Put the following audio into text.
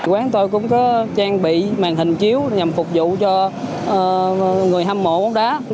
quán tôi cũng có trang bị màn hình chiếu nhằm phục vụ cho người hâm mộ bóng đá